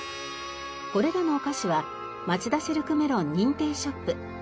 これらのお菓子は「まちだシルクメロン」認定ショップ